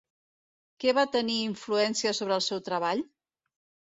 Què va tenir influència sobre el seu treball?